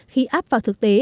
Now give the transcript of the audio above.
khi áp vào thực tế